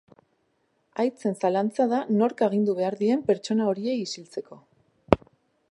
Aitzen zalantza da nork agindu behar dien pertsona horiei isiltzeko.